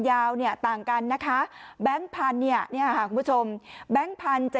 ยาวเนี่ยต่างกันนะคะแบงค์พันธุ์เนี่ยเนี่ยค่ะคุณผู้ชมแบงค์พันธุ์จะ